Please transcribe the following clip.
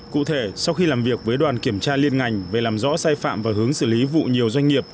cụ thể sau khi làm việc với đoàn kiểm tra liên ngành về làm rõ sai phạm và hướng xử lý vụ nhiều doanh nghiệp